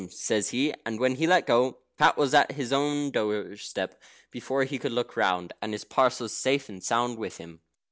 says he, and when he let go, Pat was at his own doorstep before he could look round, and his parcels safe and sound with him.